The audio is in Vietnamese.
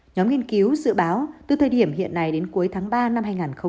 nhóm nghiên cứu dự báo từ thời điểm hiện nay đến cuối tháng ba năm hai nghìn hai mươi